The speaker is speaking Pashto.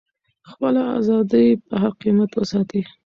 خپله ازادي په هر قیمت وساتئ.